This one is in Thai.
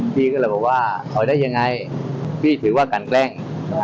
พี่ก็เลยบอกว่าถอยได้ยังไงพี่ถือว่ากันแกล้ง